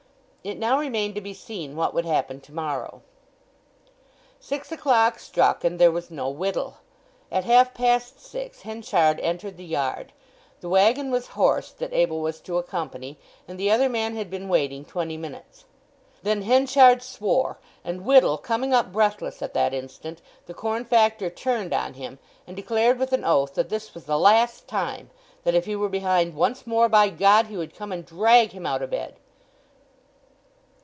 It now remained to be seen what would happen to morrow. Six o'clock struck, and there was no Whittle. At half past six Henchard entered the yard; the waggon was horsed that Abel was to accompany; and the other man had been waiting twenty minutes. Then Henchard swore, and Whittle coming up breathless at that instant, the corn factor turned on him, and declared with an oath that this was the last time; that if he were behind once more, by God, he would come and drag him out o' bed.